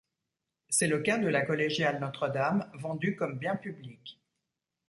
C'est le cas de la collégiale Notre-Dame, vendue comme bien public.